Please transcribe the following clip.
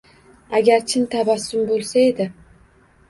Agar chin tabassum bo’lsa edi?